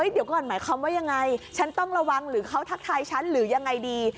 เดี๋ยวก่อนหมายความว่ายังไงฉันต้องระวังหรือเขาทักทายฉันหรือยังไงดี